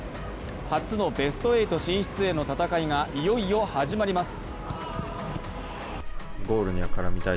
初のベスト８進出への戦いがいよいよ始まります。